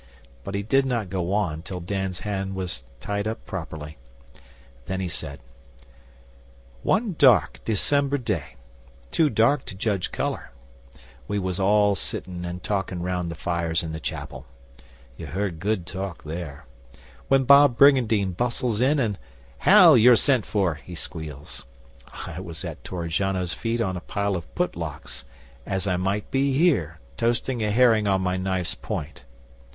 But he did not go on till Dan's hand was tied up properly. Then he said: 'One dark December day too dark to judge colour we was all sitting and talking round the fires in the chapel (you heard good talk there), when Bob Brygandyne bustles in and "Hal, you're sent for," he squeals. I was at Torrigiano's feet on a pile of put locks, as I might be here, toasting a herring on my knife's point.